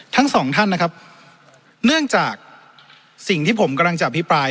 ทั้งสองท่านนะครับเนื่องจากสิ่งที่ผมกำลังจะอภิปราย